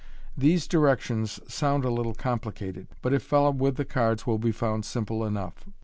Thes*} directions sound a little complicated, but if followed with the cards will be found simple enough.